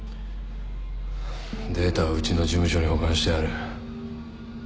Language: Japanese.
データはうちの事務所に保管してある。